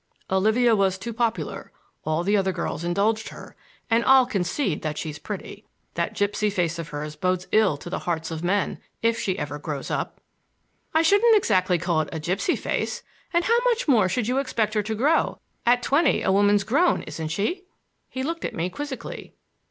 "Olivia was too popular. All the other girls indulged her. And I'll concede that she's pretty. That gipsy face of hers bodes ill to the hearts of men—if she ever grows up." "I shouldn't exactly call it a gipsy face; and how much more should you expect her to grow? At twenty a woman's grown, isn't she?" He looked at me quizzically.